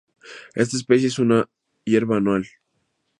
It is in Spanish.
Esta especie es una hierba anual.